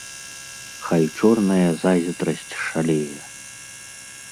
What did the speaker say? Хай чорная зайздрасць шалее.